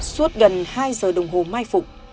suốt gần hai giờ đồng hồ mai phục